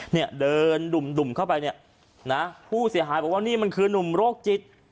เนี่ยเดินดุ่มเข้าไปเนี่ยนะผู้เสียหายบอกว่านี่มันคือนุ่มโรคจิต